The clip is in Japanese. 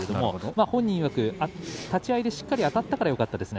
本人いわく立ち合いでしっかりあたったからよかったですね。